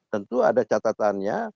tentu ada catatannya